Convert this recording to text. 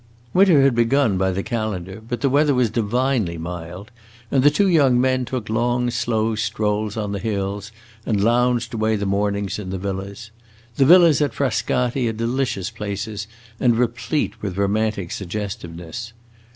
Winter had begun, by the calendar, but the weather was divinely mild, and the two young men took long slow strolls on the hills and lounged away the mornings in the villas. The villas at Frascati are delicious places, and replete with romantic suggestiveness.